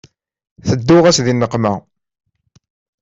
Tedduɣ-as di nneqma.